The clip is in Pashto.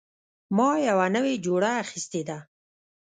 ما یوه نوې جوړه اخیستې ده